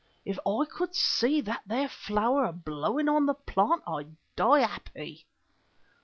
If I could see that there flower ablowing on the plant I'd die happy."